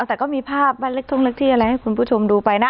แต่ก็มีภาพบ้านเล็กท่องเล็กที่อะไรให้คุณผู้ชมดูไปนะ